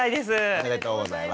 おめでとうございます。